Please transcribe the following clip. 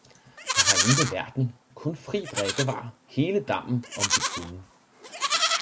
Der var ingen beværtning, kun fri drikkevarer, hele dammen, om de kunne.